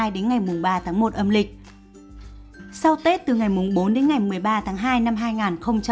sau tết từ ngày bốn một mươi ba hai hai nghìn hai mươi hai tức ngày bốn một mươi ba một âm lịch